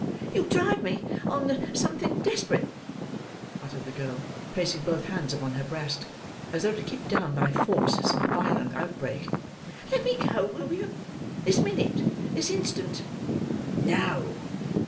"You'll drive me on the something desperate," muttered the girl placing both hands upon her breast, as though to keep down by force some violent outbreak. "Let me go, will you,—this minute—this instant." "No!"